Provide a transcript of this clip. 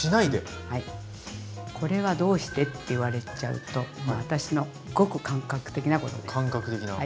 これはどうしてって言われちゃうともう私のごく感覚的なことです。